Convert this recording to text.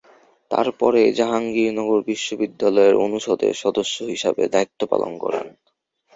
তারপরে জাহাঙ্গীরনগর বিশ্ববিদ্যালয়ের অনুষদের সদস্য হিসাবে দায়িত্ব পালন করেন।